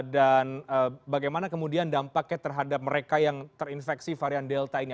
dan bagaimana kemudian dampaknya terhadap mereka yang terinfeksi varian delta ini